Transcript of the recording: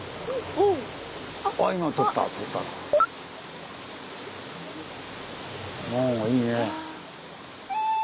おいいね。